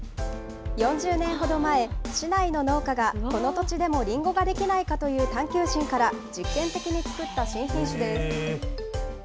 ４０年ほど前、市内の農家が、この土地でもりんごが出来ないかという探究心から実験的に作った新品種です。